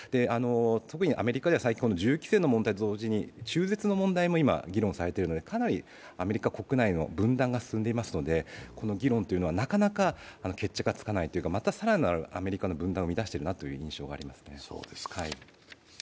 特にアメリカでは最近、銃規制の問題と同時に中絶の問題も議論されていますのでかなりアメリカ国内の分断が進んでいますので、この議論はなかなか決着がつかないというか、さらなるアメリカの分断をきたしている気がします。